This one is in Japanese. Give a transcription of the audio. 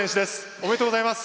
おめでとうございます。